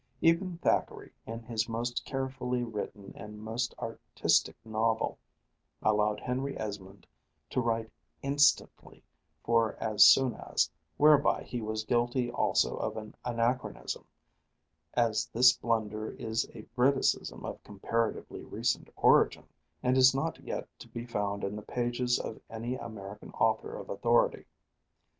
Even Thackeray, in his most carefully written and most artistic novel, allowed Henry Esmond to write instantly for as soon as, whereby he was guilty also of an anachronism, as this blunder is a Briticism of comparatively recent origin, and is not yet to be found in the pages of any American author of authority.